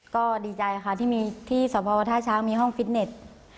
ก็ดีใจค่ะที่มีที่สพท่าช้างมีห้องฟิตเน็ต